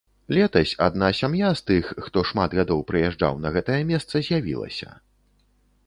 Летась адна сям'я з тых, хто шмат гадоў прыязджаў на гэтае месца, з'явілася.